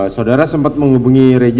saudara sempat menghubungi reja